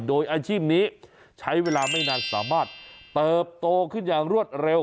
โดยอาชีพนี้ใช้เวลาไม่นานสามารถเติบโตขึ้นอย่างรวดเร็ว